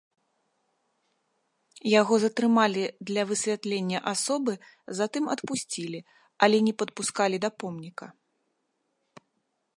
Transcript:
Яго затрымалі для высвятлення асобы, затым адпусцілі, але не падпускалі да помніка.